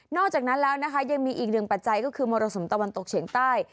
จากนั้นแล้วนะคะยังมีอีกหนึ่งปัจจัยก็คือมรสุมตะวันตกเฉียงใต้